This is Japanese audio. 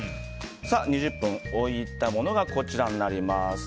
２０分置いたものがこちらです。